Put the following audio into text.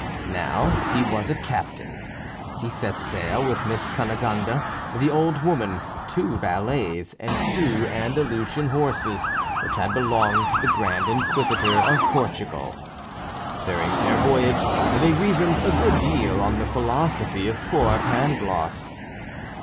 Now, he was a captain! He set sail with Miss Cunegonde, the old woman, two valets, and the two Andalusian horses, which had belonged to the grand Inquisitor of Portugal. During their voyage they reasoned a good deal on the philosophy of poor Pangloss.